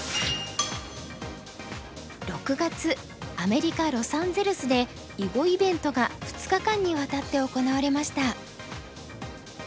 ６月アメリカロサンゼルスで囲碁イベントが２日間にわたって行われました。